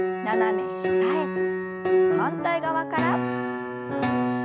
反対側から。